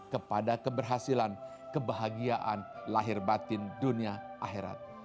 kepada keberhasilan kebahagiaan lahir batin dunia akhirat